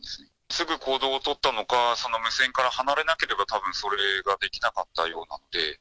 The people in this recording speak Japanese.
すぐ行動をとったのか、その無線から離れなければたぶんそれができなかったようなんで。